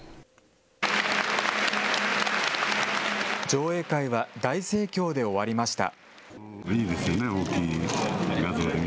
上映会は大盛況で終わりました。